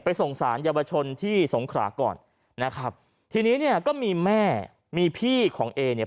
ส่งสารเยาวชนที่สงขราก่อนนะครับทีนี้เนี่ยก็มีแม่มีพี่ของเอเนี่ย